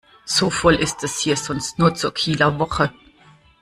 So voll ist es hier sonst nur zur Kieler Woche.